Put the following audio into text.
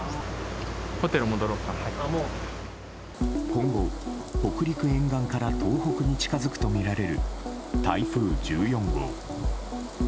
今後、北陸沿岸から東北に近づくとみられる台風１４号。